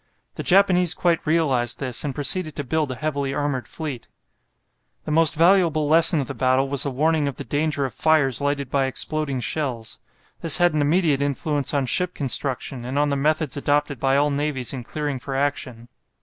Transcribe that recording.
The Japanese quite realized this, and proceeded to build a heavily armoured fleet. The most valuable lesson of the battle was the warning of the danger of fires lighted by exploding shells. This had an immediate influence on ship construction, and on the methods adopted by all navies in clearing for action.